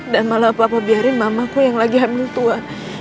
dan malah papa biarin mamaku yang lagi hamil tua